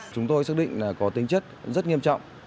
chúng tôi xác định là có tính chất rất nghiêm trọng